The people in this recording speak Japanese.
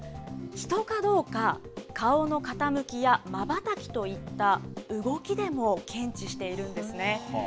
人かどうか、顔の傾きやまばたきといった動きでも検知しているんですね。